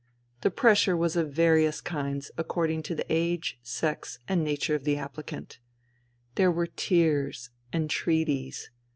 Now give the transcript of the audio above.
The pressure was of various kinds, according to the age, sex and nature of the appHcant. There were tears, entreaties.